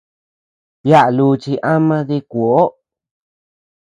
Yaʼa luchi ama dikuoʼoo.